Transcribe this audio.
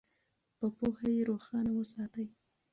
په پوهه یې روښانه وساتئ.